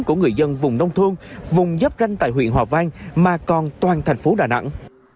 của người dân vùng nông thôn vùng dắp ranh tại huyện hòa vang mà còn toàn thành phố đà nẵng